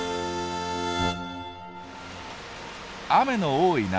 雨の多い夏。